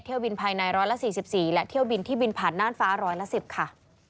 เที่ยวบินภายใน๑๔๔และเที่ยวบินที่บินผ่านน่านฟ้าร้อยละ๑๐ค่ะ